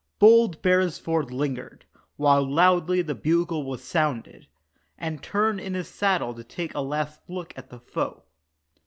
Bold Beresford lingered, while loudly the bugle was sounded, And turned in his saddle to take a last look at the foe.